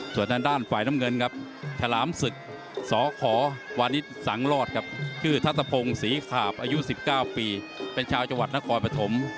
ส่วนทางด้านฝ่ายน้ำเงินครับฉลามศึกสขวานิสสังรอดครับชื่อทัศพงศรีขาบอายุ๑๙ปีเป็นชาวจังหวัดนครปฐม